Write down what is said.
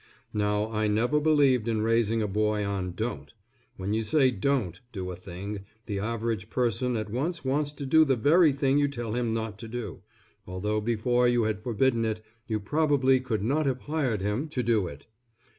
Now I never believed in raising a boy on "Don't." When you say "Don't" do a thing, the average person at once wants to do the very thing you tell him not to do, although before you had forbidden it, you probably could not have hired him to do it.